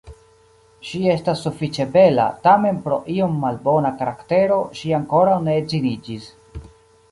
Ŝi estas sufiĉe bela, tamen pro iom malbona karaktero ŝi ankoraŭ ne edziniĝis.